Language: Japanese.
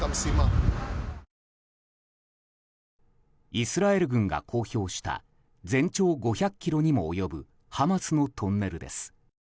イスラエル軍が公表した全長５００ｋｍにも及ぶハマスのトンネルです。